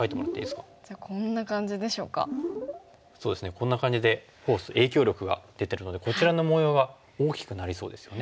こんな感じでフォース影響力が出てるのでこちらの模様が大きくなりそうですよね。